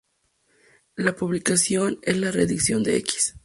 La publicación es la reedición de "Equis.